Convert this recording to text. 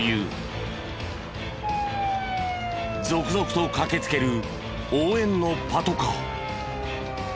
続々と駆けつける応援のパトカー。